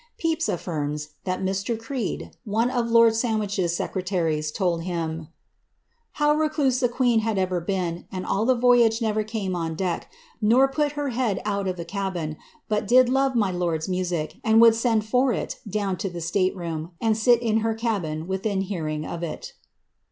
Pepys affirms, that Mr. Creed, one of lord Sandwich's secreta ries, told him ^^ how recluse the queen had ever been, and all the voyage never came on deck, nor put her head out o( the cabin, but did love my lonTs masic, and would send for it down to the state room, and sit in her cabin within hearing of it."